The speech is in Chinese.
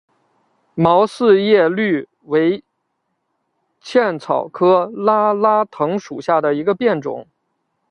毛四叶葎为茜草科拉拉藤属下的一个变种。